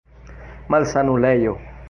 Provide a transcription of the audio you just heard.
malsanulejo